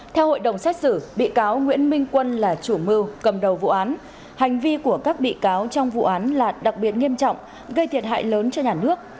theo hội đồng xét xử bị cáo nguyễn minh quân là chủ mưu cầm đầu vụ án hành vi của các bị cáo trong vụ án là đặc biệt nghiêm trọng gây thiệt hại lớn cho nhà nước